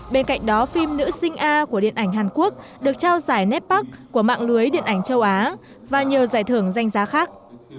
bên cạnh đó phim nữ sinh a của điện ảnh hàn quốc được trao giải netpark của mạng lưới điện ảnh châu á và nhiều giải thưởng danh giá khác